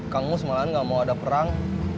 kang mus malah nggak mau ada perang